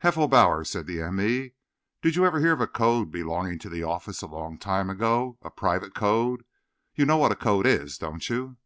"Heffelbauer," said the m. e., "did you ever hear of a code belonging to the office a long time ago—a private code? You know what a code is, don't you?"